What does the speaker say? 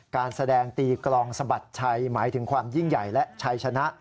การแสดงตีกลองสะบัดชัยหมายถึงความยิ่งใหญ่และชัยชนะ